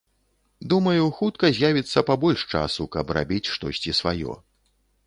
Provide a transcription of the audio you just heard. Думаю, хутка з'явіцца пабольш часу, каб рабіць штосьці сваё.